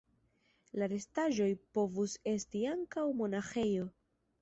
La restaĵoj povus esti ankaŭ monaĥejo.